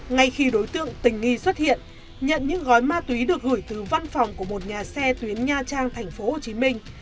ngay khi đối tượng tình nghi xuất hiện nhận những gói ma túy được gửi từ văn phòng của một nhà xe tuyến nha trang thành phố hồ chí minh